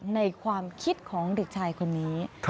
ในความคิดของเด็กชายคนนี้